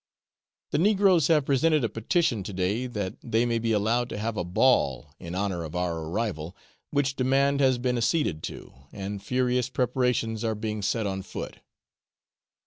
The negroes have presented a petition to day that they may be allowed to have a ball in honour of our arrival, which demand has been acceded to, and furious preparations are being set on foot.